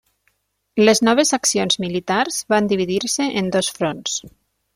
Les noves accions militars van dividir-se en dos fronts.